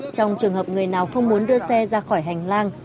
trong trường hợp người nào không muốn đưa xe ra khỏi hành lang